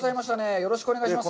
よろしくお願いします。